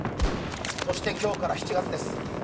そして今日から７月です。